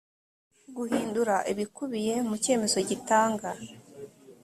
guhindura ibikubiye mu cyemezo gitanga